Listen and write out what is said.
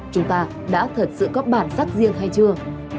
chúng ta đã thật sự có bản sắc riêng hay chưa